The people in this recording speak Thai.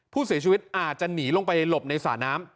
ผู้เสียชีวิตอาจจะหนีลงไปหลบในสระน้ำ